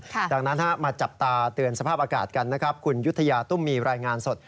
ดังนั้นมาจับตาเตือนสภาพอากาศกันนะครับคุณยุธยาตุ้มมีรายงานสด